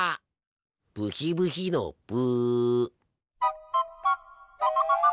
ブヒブヒのブ。